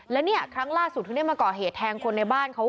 แล้วเนี่ยครั้งล่าสุดที่ได้มาก่อเหตุแทงคนในบ้านเขา